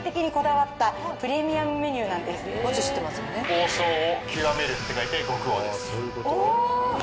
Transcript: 王将を極める！